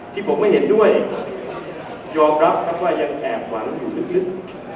ที่ผมไม่เห็นด้วยยอมรับครับว่ายังแอบหวังอยู่ลึก